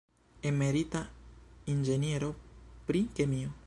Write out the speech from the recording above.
Emerita inĝeniero pri kemio.